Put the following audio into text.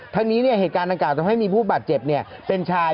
ทั้งนี้เหตุการณ์ดังกล่าทำให้มีผู้บาดเจ็บเป็นชาย